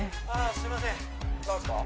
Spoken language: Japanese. すいません何すか？